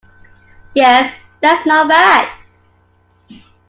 Yes, that's not bad.